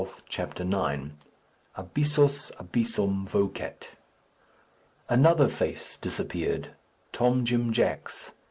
CHAPTER IX. ABYSSUS ABYSSUM VOCAT. Another face, disappeared Tom Jim Jack's.